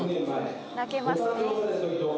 「泣けますね」